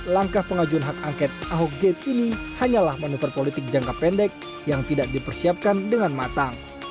langkah pengajuan hak angket ahok gate ini hanyalah manuver politik jangka pendek yang tidak dipersiapkan dengan matang